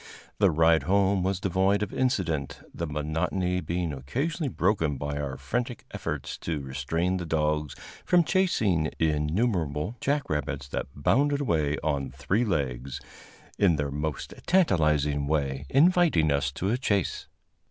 The ride home was devoid of incident, the monotony being occasionally broken by our frantic efforts to restrain the dogs from chasing innumerable jack rabbits that bounded away on three legs, in their most tantalizing way, inviting us to a chase.